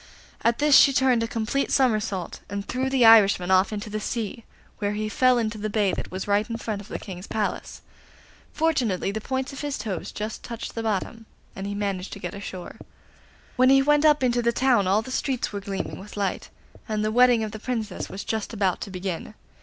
At this she turned a complete somersault, and threw the Irishman off into the sea, where he fell into the bay that was right in front of the King's Palace. Fortunately the points of his toes just touched the bottom, and he managed to get ashore. When he went up into the town all the streets were gleaming with light, and the wedding of the Princess was just about to begin.